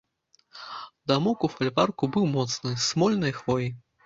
Дамок у фальварку быў моцны, з смольнай хвоі.